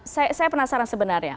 saya penasaran sebenarnya